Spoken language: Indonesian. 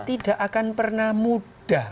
tidak akan pernah mudah